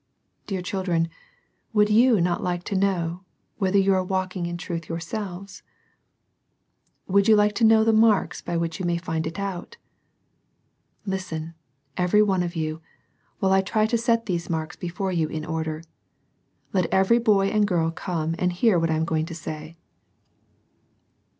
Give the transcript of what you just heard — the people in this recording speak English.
Dear children, would you not like to know whether you are walking in truth yourselves? Would you like to know the marks by which you may find it out? Listen, every one of you, while I try to set these marks before you in order. Let every boy and girl come and hear what I am going to say.